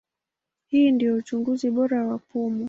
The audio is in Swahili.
Hii ndio uchunguzi bora wa pumu.